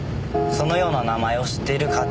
そのような名前を知っているか？と。